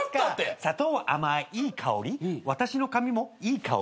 「砂糖は甘いいい香り私の髪もいい香り」